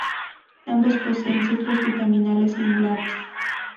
Ambos poseen ciclos vitales similares.